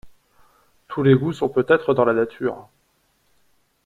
Tous les goûts sont peut être dans la nature.